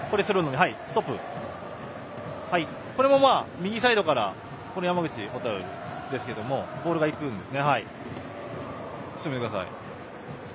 右サイドから山口蛍ですけどもボールがいくんです。